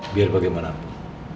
biar bagaimana pun